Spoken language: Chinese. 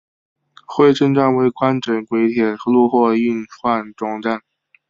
珲春站为宽准轨铁路货运换装站。